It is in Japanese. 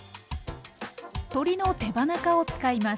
鶏の手羽中を使います。